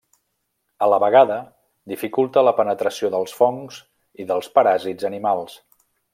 A la vegada dificulta la penetració dels fongs i dels paràsits animals.